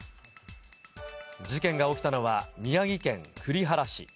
事件が起きたのは宮城県栗原市。